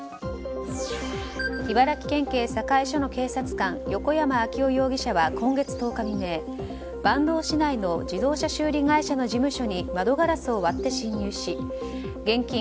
茨城県警境署の警察官横山尭世容疑者は今月１０日未明坂東市内の自動車修理会社の事務所に窓ガラスを割って侵入し現金